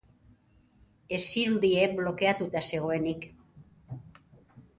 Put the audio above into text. Ez zirudien blokeatuta zegoenik.